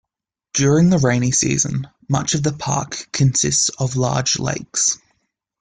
During the rainy season, much of the park consists of large lakes.